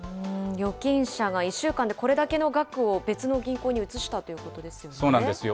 預金者が１週間でこれだけの額を別の銀行に移したということそうなんですよ。